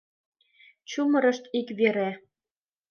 Чумырышт ик вере.